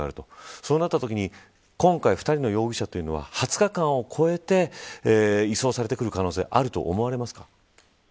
そうなったときに今回、２人の容疑者というのは２０日間を超えて移送されてくる可能性があると思われますか。